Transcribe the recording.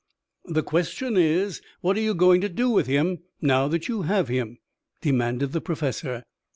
"The question is what are you going to do with him, now that you have him?" demanded the Professor.